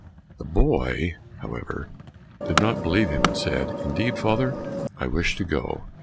The boy, however, did not believe him, and said, "Indeed, father, I wish to go."